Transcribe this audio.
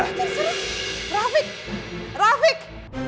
terserah rafiq rafiq